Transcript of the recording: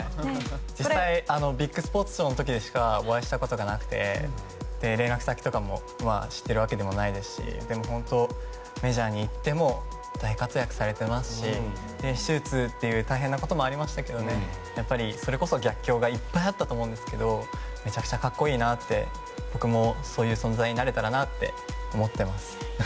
実際、ビッグスポーツ賞の時しかお会いしたことがなくて連絡先とかも知っているわけでもないですしでもメジャーに行っても大活躍されてますし手術という大変なこともありましたけどやっぱりそれこそ逆境がいっぱいあったと思うんですけどめちゃくちゃ格好いいなって僕もそういう存在になれたらと思ってます。